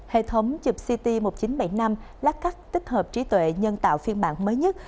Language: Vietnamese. hệ thống chụp ct một nghìn chín trăm bảy mươi năm lát cắt tích hợp trí tuệ nhân tạo phiên bản mới nhất